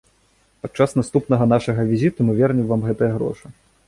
Падчас наступнага нашага візіту мы вернем вам гэтыя грошы.